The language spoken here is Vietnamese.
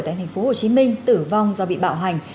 tại thành phố hồ chí minh tử vong do bị bạo hành